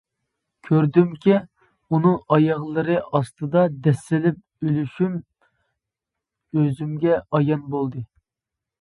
كۆردۈمكى، ئۇنىڭ ئاياغلىرى ئاستىدا دەسسىلىپ ئۆلۈشۈم ئۆزۈمگە ئايان بولدى.